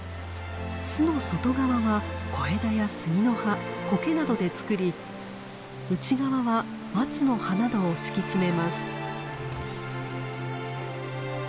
巣の外側は小枝やスギの葉コケなどで作り内側はマツの葉などを敷き詰めます。